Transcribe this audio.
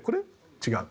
「違う」